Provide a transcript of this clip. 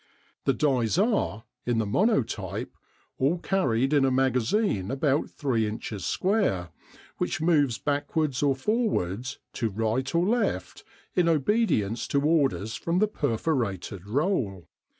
The dies are, in the monotype, all carried in a magazine about three inches square, which moves backwards or forwards, to right or left, in obedience to orders from the perforated roll.